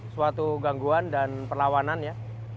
suatu gangguan dan perlawanan ya